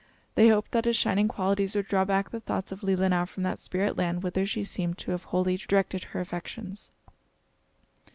They hoped that his shining qualities would draw back the thoughts of Leelinau from that spirit land whither she seemed to have wholly directed her affections.